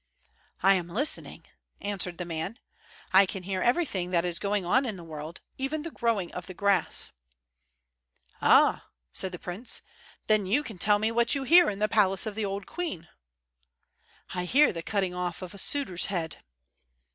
"I am listening," answered the man. "I can hear everything that is going on in the world, even the growing of the grass." "Ah," said the prince, "then you can tell me what you hear in the palace of the old queen." "I hear the cutting off of a suitor's head."